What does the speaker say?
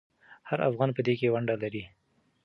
هر افغان په دې کې ونډه لري.